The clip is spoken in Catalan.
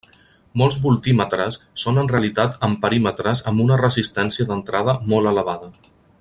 Molts voltímetres són en realitat amperímetres amb una resistència d'entrada molt elevada.